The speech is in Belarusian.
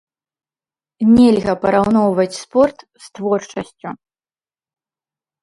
Нельга параўноўваць спорт з творчасцю.